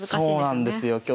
そうなんですよ。